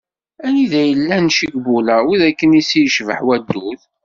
Anida i llan yicbula, wid akken i ssi yecbeḥ waddud.